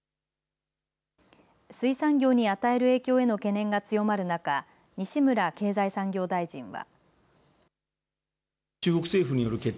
水産業に与える影響への懸念が強まる中西村経済産業大臣は。